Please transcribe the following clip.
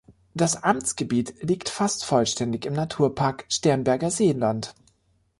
Das Amtsgebiet liegt fast vollständig im Naturpark Sternberger Seenland.